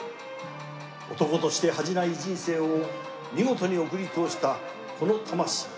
男として恥じない人生を見事に送り通したこの魂。